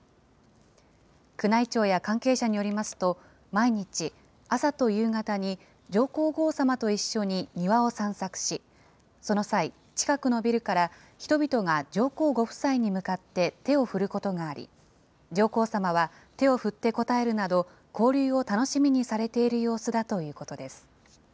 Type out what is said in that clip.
宮内庁や関係者によりますと、毎日朝と夕方に上皇后さまと一緒に庭を散策し、その際、近くのビルから人々が上皇ご夫妻に向かって手を振ることがあり、上皇さまは、手を振って応えるなど、交流を楽しみにされている様子だということです。